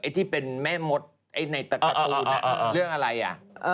ไอ้ที่เป็นแม่มดไอ้ในการ์ตูนอ่ะเรื่องอะไรอ่ะ